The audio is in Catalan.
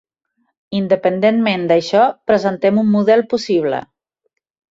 Independentment d'això, presentem un model possible.